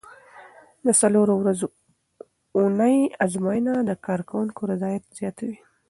د څلورو ورځو اونۍ ازموینه د کارکوونکو رضایت زیاتوي.